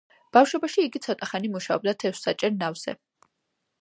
ბავშვობაში იგი ცოტა ხანი მუშაობდა თევზსაჭერ ნავზე.